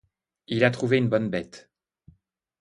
Il a trouvé une bonne bête.